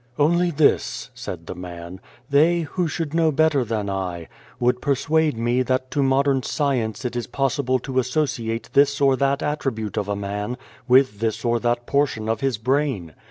"Only this," said the man. "They, who should know better than I, would persuade me that to modern science it is possible to associate this or that attribute of a man with this or that portion of his brain.